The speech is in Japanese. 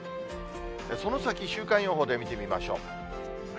その先、週間予報で見てみましょう。